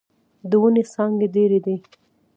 د ونې څانګې ډيرې دې.